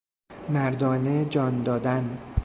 مردانه جان دادن